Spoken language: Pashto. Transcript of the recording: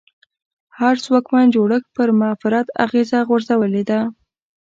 هر ځواکمن جوړښت پر معرفت اغېزه غورځولې ده